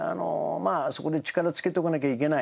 そこで力つけておかなきゃいけない。